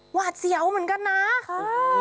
หวาดเสียวเหมือนกันนะค่ะ